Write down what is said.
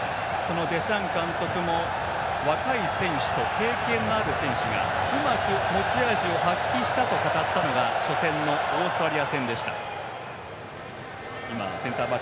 デシャン監督も若い選手と経験のある選手がうまく持ち味を発揮したと語ったのが初戦のオーストラリア戦でした。